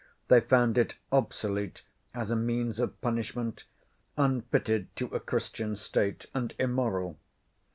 They found it obsolete as a means of punishment, unfitted to a Christian State and immoral.